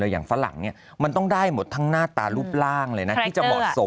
อย่างฝรั่งเนี่ยมันต้องได้หมดทั้งหน้าตารูปร่างเลยนะ